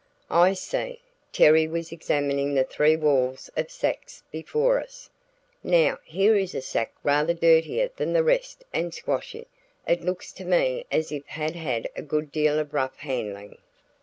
"I see!" Terry was examining the three walls of sacks before us. "Now here is a sack rather dirtier than the rest and squashy. It looks to me as if it had had a good deal of rough handling."